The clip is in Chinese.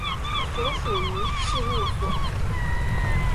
所属于事务所。